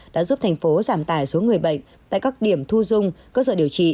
đã giúp thành phố giảm tài số người bệnh tại các điểm thu dung cơ sở điều trị